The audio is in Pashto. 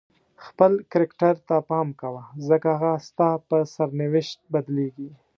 خپل کرکټر ته پام کوه ځکه هغه ستا په سرنوشت بدلیږي.